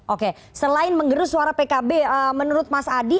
oke selain mengerus suara pkb menurut mas adi